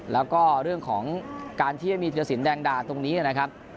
แล้วก็เรื่องของการที่ไม่มีธุรสินแดงดาตรงนี้นะครับ